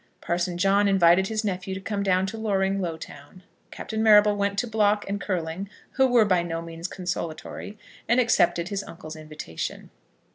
Parson John invited his nephew to come down to Loring Lowtown. Captain Marrable went to Block and Curling, who were by no means consolatory, and accepted his uncle's invitation.